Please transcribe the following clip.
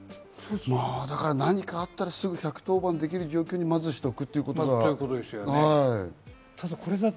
何かあったら、すぐ１１０番できる状態にまずしておくということがね。